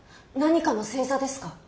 何かの星座ですか？